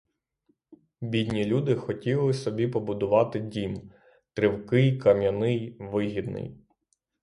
Бідні люди хотіли собі побудувати дім — тривкий, кам'яний, вигідний.